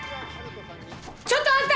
ちょっとあんた！